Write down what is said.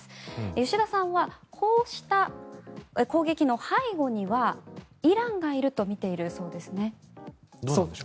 吉田さんはこうした攻撃の背後にはイランがいるとみているそうですね。